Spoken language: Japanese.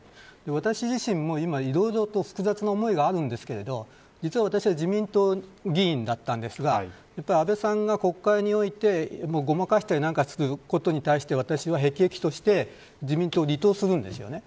私自身も今いろいろと複雑な思いがありますが実は私は自民党議員だったんですが安倍さんが国会においてごまかしたりすることに対して私は辟易として自民党を離党するんですよね。